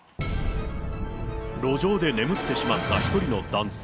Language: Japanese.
路上で眠ってしまった１人の男性。